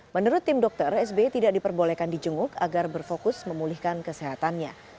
menurut tim dokter sbi tidak diperbolehkan di jenguk agar berfokus memulihkan kesehatannya